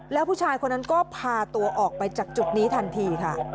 แล้วผู้ชายคนนั้นก็พาตัวออกไปจากจุดนี้ทันทีค่ะ